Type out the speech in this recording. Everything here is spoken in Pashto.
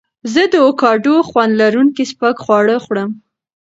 زه د اوکاډو خوند لرونکي سپک خواړه خوړم.